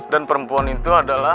dan perempuan itu adalah